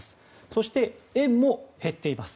そして、円も減っています。